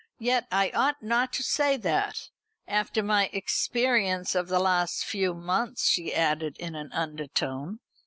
Yet I ought not to say that, after my experience of the last few months," she added in an undertone.